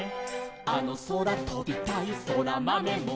「あのそらとびたいそらまめも」